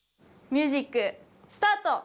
ミュージックスタート！